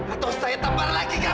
atau saya tampar lagi kamu